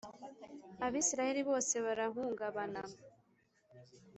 Abisirayeli bose barahungabana